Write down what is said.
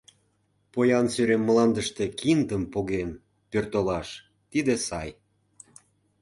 Поян сӧрем мландыште киндым Поген пӧртылаш — тиде сай.